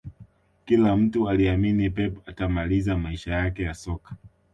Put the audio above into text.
Kila mtu aliamini pep atamaliza maisha yake ya soka